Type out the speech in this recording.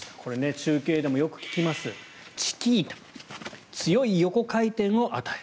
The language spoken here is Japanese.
中継でもよく出ますチキータ、強い横回転を与える。